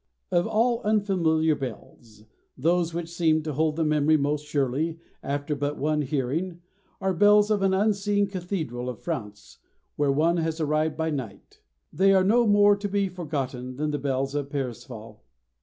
Of all unfamiliar bells, those which seem to hold the memory most surely after but one hearing are bells of an unseen cathedral of France when one has arrived by night; they are no more to be forgotten than the bells in "Parsifal."